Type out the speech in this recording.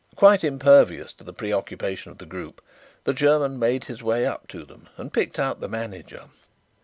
Quite impervious to the preoccupation of the group, the German made his way up to them and picked out the manager.